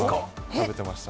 食べてました。